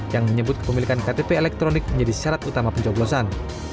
yang menyebut kepemilikan ktp elektronik menjadi syarat utama pencoblosan